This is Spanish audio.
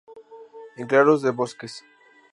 En claros de bosques.